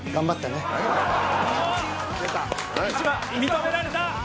認められた！